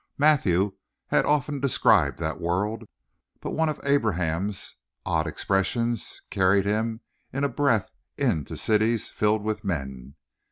Matthew had often described that world, but one of Abraham's odd expressions carried him in a breath into cities filled with men.